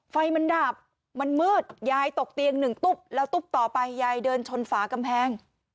ไฟมันดับมันมืดยายตกเตียงหนึ่งตุ๊บแล้วตุ๊บต่อไปยายเดินชนฝากำแพง